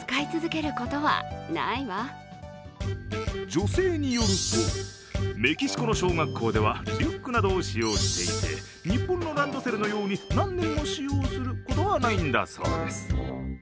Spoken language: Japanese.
女性によると、メキシコの小学校ではリュックなどを使用していて日本のランドセルのように何年も使用することはないんだそうです。